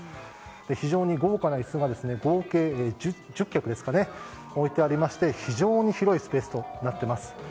非常に豪華な椅子が合計１０脚置いてありまして、非常に広いスペースとなっています。